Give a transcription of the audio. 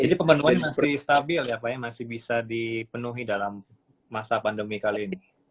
pemenuhan masih stabil ya pak ya masih bisa dipenuhi dalam masa pandemi kali ini